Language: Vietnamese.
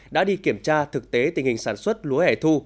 đã đi kiểm tra thực tế tình hình sản xuất lúa hẻ thu